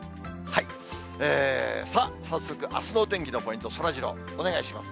さあ、早速あすのお天気のポイント、そらジロー、お願いします。